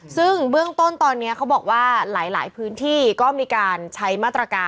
ซึ่งเบื้องต้นตอนนี้เขาบอกว่าหลายพื้นที่ก็มีการใช้มาตรการ